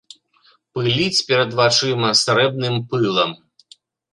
Пыліць перад вачыма срэбным пылам.